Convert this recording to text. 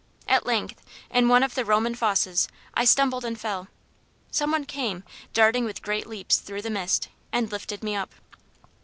At length, in one of the Roman fosses, I stumbled and fell. Some one came, darting with great leaps through the mist, and lifted me up.